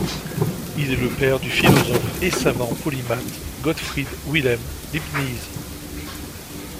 Il est le père du philosophe et savant polymathe Gottfried Wilhelm Leibniz.